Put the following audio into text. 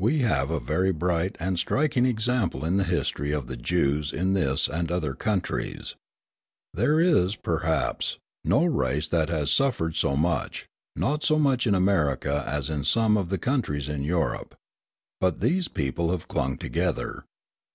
We have a very bright and striking example in the history of the Jews in this and other countries. There is, perhaps, no race that has suffered so much, not so much in America as in some of the countries in Europe. But these people have clung together.